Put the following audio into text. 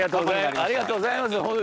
ありがとうございますホント。